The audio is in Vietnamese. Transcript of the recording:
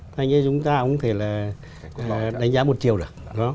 thế nhưng chúng ta không thể là đánh giá một triệu được